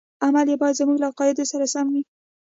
عمل یې باید زموږ له عقایدو سره سم وي.